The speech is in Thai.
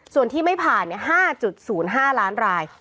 ส่วนที่ไม่ผ่าน๕๐๕ล้านราย